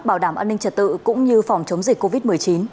bảo đảm an ninh trật tự cũng như phòng chống dịch covid một mươi chín